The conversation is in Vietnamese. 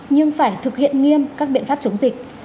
nhưng phải thực hiện nghiêm các biện pháp chống dịch